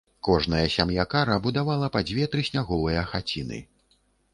Кожная сям'я кара будавала па дзве трысняговыя хаціны.